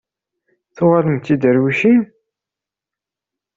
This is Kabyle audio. Tuɣalemt d tiderwicin?